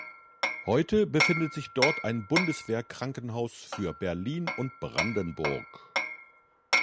Heute befindet sich dort ein Bundeswehrkrankenhaus für Berlin und Brandenburg.